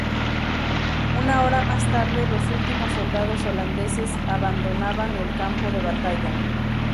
Una hora más tarde, los últimos soldados holandeses abandonaban el campo de batalla.